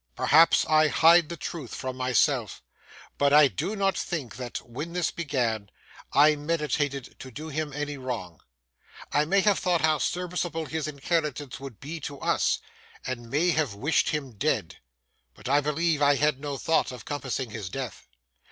Perhaps I hide the truth from myself, but I do not think that, when this began, I meditated to do him any wrong. I may have thought how serviceable his inheritance would be to us, and may have wished him dead; but I believe I had no thought of compassing his death.